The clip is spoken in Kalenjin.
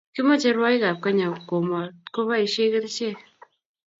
Kimache Rwaik ab kenya komatkobaishe kerichek